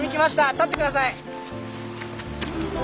立ってください。